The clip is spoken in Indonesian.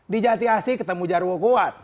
di jatiasi ketemu jarwo kuat